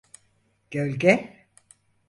Gölge!